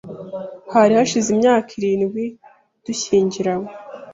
Hari hashize imyaka irindwi dushyingiranywe.